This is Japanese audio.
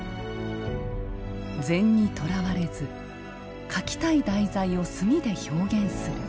禅にとらわれず描きたい題材を墨で表現する。